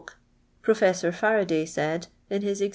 \e,' Trofessor Faradjy said, m his ex.